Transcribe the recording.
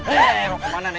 eh mau kemana nih